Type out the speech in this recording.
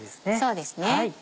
そうですね。